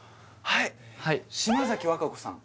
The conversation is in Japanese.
はい島崎和歌子さん